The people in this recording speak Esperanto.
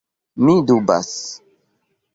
Mi dubas.